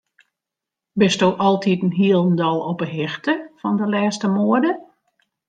Bisto altiten hielendal op 'e hichte fan de lêste moade?